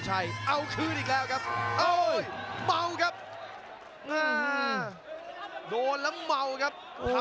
อาร์ฟแล้วครับหมัด๑๒ไม่ถึงครับ